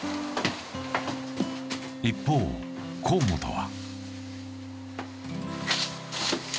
一方、河本は。